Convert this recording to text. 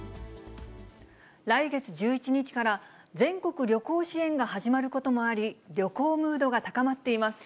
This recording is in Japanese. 来月１１日から全国旅行支援が始まることもあり、旅行ムードが高まっています。